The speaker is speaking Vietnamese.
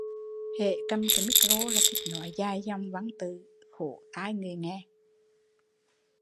Hễ cầm micro là thích nói dài dòng văn tự, khổ tai người nghe